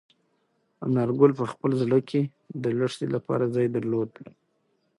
انارګل په خپل زړه کې د لښتې لپاره ځای درلود.